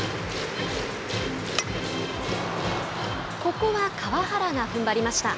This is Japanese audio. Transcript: ここは川原がふんばりました。